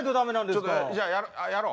ちょっとじゃあやろうやろう。